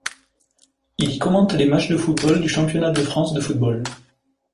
Il y commente les matchs de football du championnat de France de football.